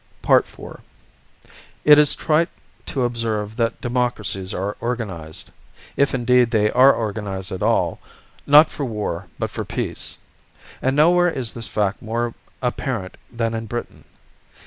IV It is trite to observe that democracies are organized if, indeed, they are organized at all not for war but for peace. And nowhere is this fact more apparent than in Britain.